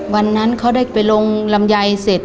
วันนั้นเขาได้ไปลงลำไยเสร็จ